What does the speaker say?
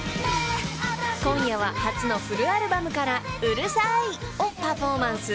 ［今夜は初のフルアルバムから『うるさい！』をパフォーマンス］